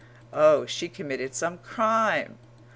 Oh, she committed some crime!